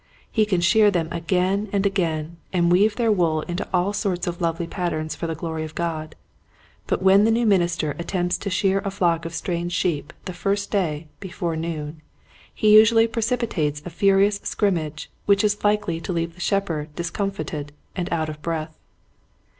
He can shear them again and again, and weave their wool into all sorts of lovely patterns for the glory of God, but when the new minister attempts to shear a a flock of strange sheep the first day be fore noon he usually precipitates a furious scrimmage which is likely to leave the shepherd discomfited and out of breath.